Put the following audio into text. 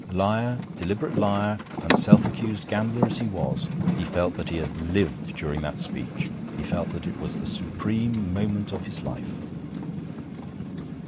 Liar, deliberate liar and self accused gambler as he was, he felt that he had lived during that speech; he felt that it was the supreme moment of his life.